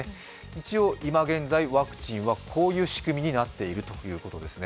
一応、今現在、ワクチンはこういう仕組みになっているということですね。